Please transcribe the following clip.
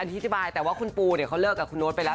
อันที่ที่บายแต่ว่าคุณปูเขาเลิกกับคุณโน๊ตไปแล้ว